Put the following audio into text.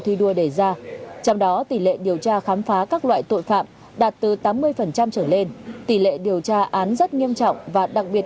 thi đua đề ra trong đó tỷ lệ điều tra khám phá các loại tội phạm đạt từ tám mươi trở lên tỷ lệ điều tra án rất nghiêm trọng và đặc biệt